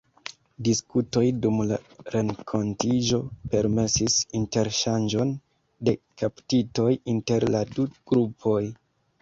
Diskutoj dum la renkontiĝo permesis interŝanĝon de kaptitoj inter la du grupoj.